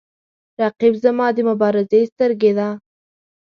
رقیب زما د مبارزې سترګې ده